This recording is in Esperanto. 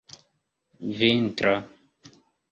vintra